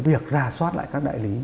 việc ra soát lại các đại lý